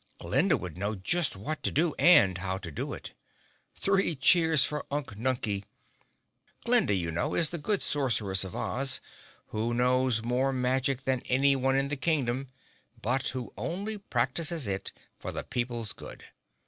Glinda would know just what to do and how to do it. Three cheers for Unk Nunkie! Glinda, you know, is the good Sorceress of Oz, who knows more magic than anyone in the Kingdom, but who only practices it for the people's good.